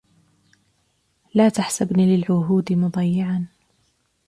لا تحسبني للعهود مضيعا